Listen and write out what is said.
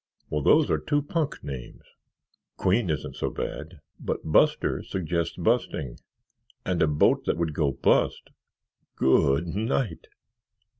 "Well, those are two punk names! 'Queen' isn't so bad, but 'Buster' suggests busting, and a boat that would bust—go o dnight!"